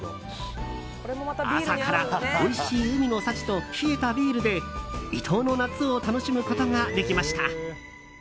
朝からおいしい海の幸と冷えたビールで伊東の夏を楽しむことができました。